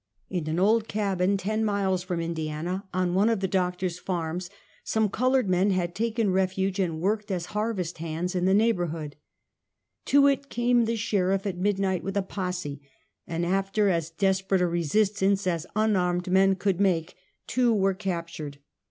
In an old cabin ten miles from 116 Half a Century. Indiana, on one of the doctor's farms, some colored men had taken refuge and worked as harvest hands in the neighborhood. To it came the sheriff at mid night with a posse, and after as desperate a resistance as unarmed men could make, two were captured.